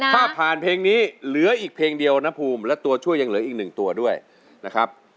ถ้าผ่านเพลงนี้เหลืออีกเพลงเดียวนะภูมิและตัวช่วยยังเหลืออีกหนึ่งตัวด้วยนะครับ